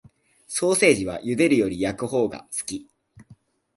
ソーセージは茹でるより焼くほうが好き